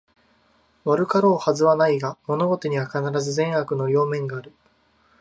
悪かろうはずはないが、物事には必ず善悪の両面がある